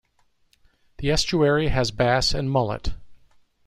The estuary has bass and mullet.